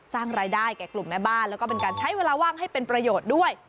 สร้างรายได้แก่กลุ่มแม่บ้านแล้วก็เป็นการใช้เวลาว่างให้เป็นประโยชน์ด้วย